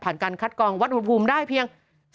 ผ่านการคัดกรองวัดอุดภูมิได้เพียง